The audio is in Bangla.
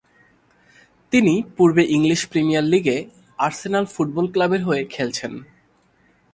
তিনি পূর্বে ইংলিশ প্রিমিয়ার লীগে আর্সেনাল ফুটবল ক্লাবের হয়ে খেলছেন।